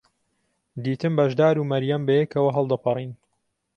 دیتم بەشدار و مەریەم بەیەکەوە هەڵدەپەڕین.